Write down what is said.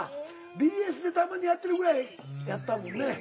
ＢＳでたまにやってるぐらいやったもんね。